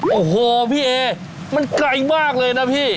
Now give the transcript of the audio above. โอ้โหพี่เอมันไกลมากเลยนะพี่